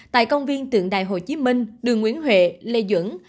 tại công viên tượng đài hồ chí minh đường nguyễn huệ lê duẩn